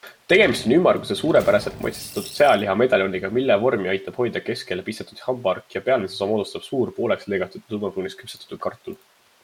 Tegemist on ümmarguse, suurepäraselt maitsestatud sealihamedaljoniga, mille vormi aitab hoida keskele pistetud hambaork ja pealmise osa moodustab suur pooleks lõigatud ja tumepruuniks küpsetatud kartul.